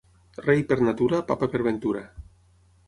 Rei per natura, papa per ventura.